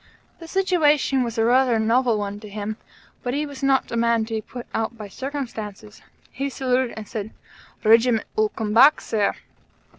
The situation was rather novel tell to him; but he was not a man to be put out by circumstances. He saluted and said: "Regiment all come back, Sir."